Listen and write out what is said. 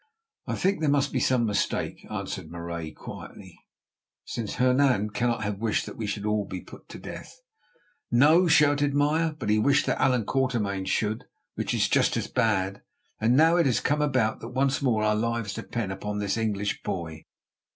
"I think there must be some mistake," answered Marais quietly, "since Hernan cannot have wished that we should all be put to death." "No," shouted Meyer; "but he wished that Allan Quatermain should, which is just as bad; and now it has come about that once more our lives depend upon this English boy."